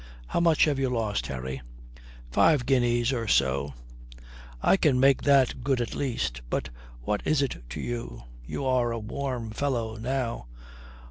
"How much have you lost, Harry?" "Five guineas or so." "I can make that good at least. But what is it to you? You are a warm fellow now.